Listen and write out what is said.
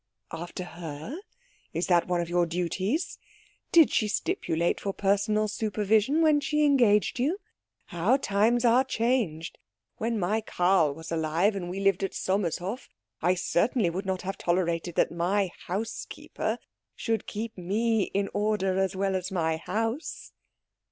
"After her? Is that one of your duties? Did she stipulate for personal supervision when she engaged you? How times are changed! When my Karl was alive, and we lived at Sommershof, I certainly would not have tolerated that my housekeeper should keep me in order as well as my house."